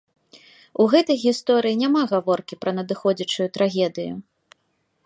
У гэтай гісторыі няма гаворкі пра надыходзячую трагедыю.